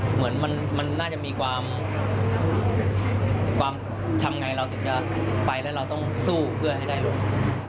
เหมือนมันน่าจะมีความทำไงเราถึงจะไปแล้วเราต้องสู้เพื่อให้ได้ลง